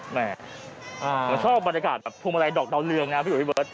หมายถึงชอบบรรยากาศแบบพวงมาลัยดอกเตาเรืองนะพี่หอยพี่เบิร์ด